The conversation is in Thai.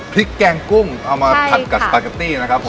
พริกแกงกุ้งเอามาพัดกับสปาคิตี้นะครับผม